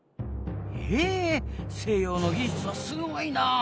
へえ西洋の技術はすごいなあ。